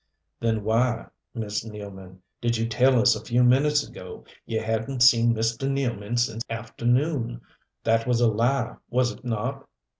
"Then why, Miss Nealman, did you tell us a few minutes ago you hadn't seen Mr. Nealman since afternoon? That was a lie, was it not?